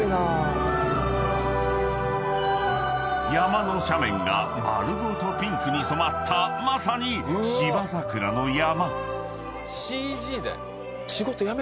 ［山の斜面が丸ごとピンクに染まったまさに芝桜の山］